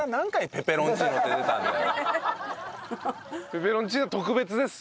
ペペロンチーノ特別です。